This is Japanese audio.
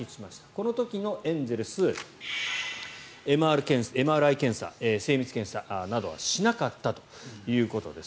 この時のエンゼルスＭＲＩ検査、精密検査などはしなかったということです。